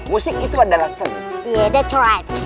musik itu adalah segi